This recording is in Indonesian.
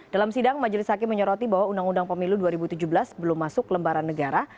dalam sidang majelis hakim menyoroti bahwa undang undang pemilu dua ribu tujuh belas belum masuk lembaran negara